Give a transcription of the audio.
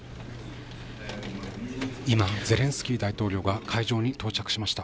今、ゼレンスキー大統領が会場に到着しました。